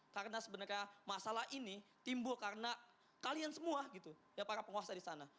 karena sebenarnya masalah ini timbul karena kalian semua para penguasa di sana